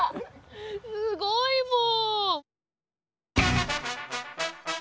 すごいもん。